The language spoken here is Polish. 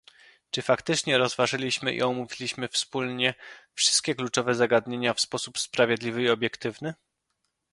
Czy faktycznie rozważyliśmy i omówiliśmy wspólnie wszystkie kluczowe zagadnienia w sposób sprawiedliwy i obiektywny?